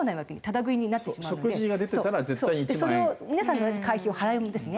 それを皆さんと同じ会費を払うんですね。